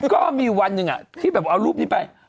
ก็มีวันหนึ่งที่แบบเอารูปนี้ไป